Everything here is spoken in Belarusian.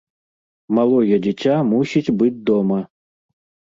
Малое дзіця мусіць быць дома!